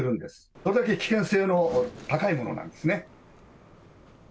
それだけ危険性の高いものなんですね。